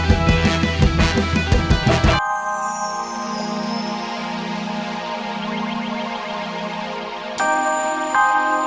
ini rumahnya apaan